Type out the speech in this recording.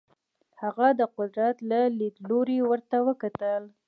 هغه د قدرت له لیدلوري ورته وکتل.